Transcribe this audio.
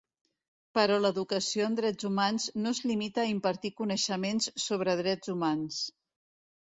Però l'educació en drets humans no es limita a impartir coneixements sobre drets humans.